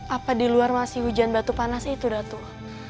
apa di luar masih hujan batu panas itu datu